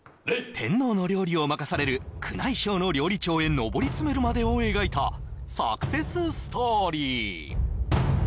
天皇の料理を任される宮内省の料理長へ上り詰めるまでを描いたサクセスストーリー